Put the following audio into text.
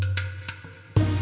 baik faith ya merekul